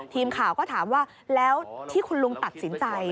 ทีมข่าวก็ถามว่าแล้วที่คุณลุงตัดสินใจ